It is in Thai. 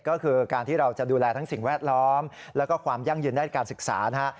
ก็คือการที่เราจะดูแลทั้งสิ่งแวดล้อมแล้วก็ความยั่งยืนด้านการศึกษานะฮะ